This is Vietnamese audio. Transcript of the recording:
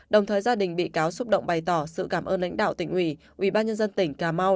đồng thời gia đình bị cáo xúc động bày tỏ sự cảm ơn lãnh đạo tỉnh ủy ubnd tỉnh cà mau